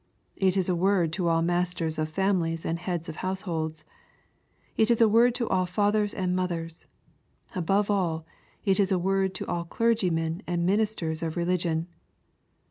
It is a word to all masters of families and heads of households. It is a word to all fathers and mothers. Above all, it is a word to all clergymen and ministers of religion.